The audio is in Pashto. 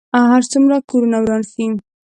هر څومره کورونه وران شي.